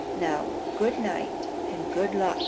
Now good night and good luck."